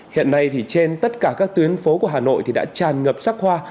hiện nay thì trên tất cả các tuyến phố của hà nội đã tràn ngập sắc hoa